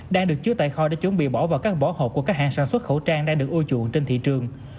đang được chứa tại kho để chuẩn bị bỏ vào các bỏ hộp của các hàng sản xuất khẩu trang đang được ôi chuộng trên thị trường